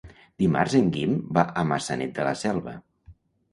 Dimarts en Guim va a Maçanet de la Selva.